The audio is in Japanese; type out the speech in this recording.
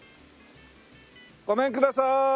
ごめんくださーい。